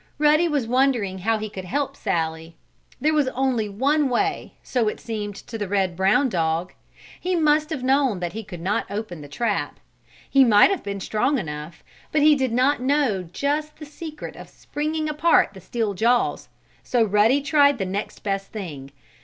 Ruddy was wondering how he could help Sallie. There was only one way, so it seemed to the red brown dog. He must have known that he could not open the trap. He might have been strong enough, but he did not know just the secret of springing apart the steel jaws. So Ruddy tried the next best thing.